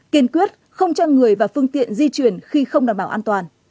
kiên quyết không cho người và phương tiện di chuyển khi không đảm bảo an toàn